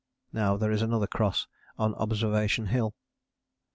Now there is another Cross, on Observation Hill.